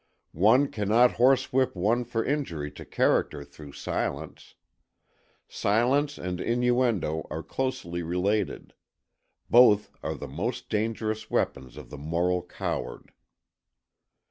One cannot horsewhip one for injury to character through silence. Silence and innuendo are closely related; both are the most dangerous weapons of the moral coward.